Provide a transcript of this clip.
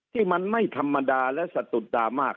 ที่มันไม่ธรรมดาและสะดุดตามาก